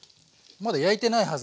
まだ焼いてないはず。